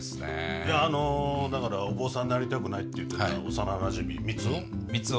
いやあのだからお坊さんになりたくないって言ってた幼なじみ三生？